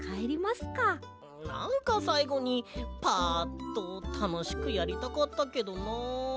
なんかさいごにパアッとたのしくやりたかったけどな。